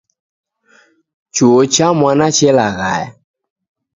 Chuo cha mwana chelaghaya